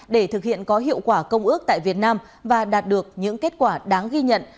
để thực hiện có hiệu quả công ước tại việt nam và đạt được những kết quả đáng ghi nhận